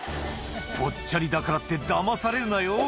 「ぽっちゃりだからってだまされるなよ」